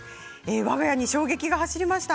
わが家に衝撃が走りました。